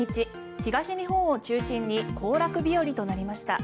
東日本を中心に行楽日和となりました。